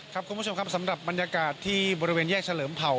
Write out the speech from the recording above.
คุณผู้ชมครับสำหรับบรรยากาศที่บริเวณแยกเฉลิมเผ่า